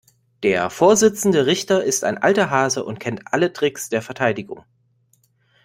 Der Vorsitzende Richter ist ein alter Hase und kennt alle Tricks der Verteidigung.